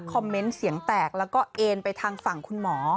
เมนต์เสียงแตกแล้วก็เอ็นไปทางฝั่งคุณหมอ